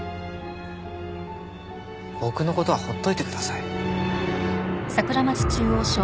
僕の事はほっといてください。